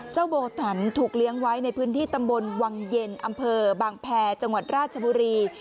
โบตันถูกเลี้ยงไว้ในพื้นที่ตำบลวังเย็นอำเภอบางแพรจังหวัดราชบุรี